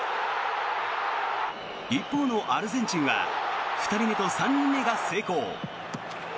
一方のアルゼンチンは２人目と３人目が成功。